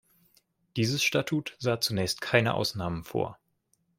Dieses Statut sah zunächst keine Ausnahmen vor.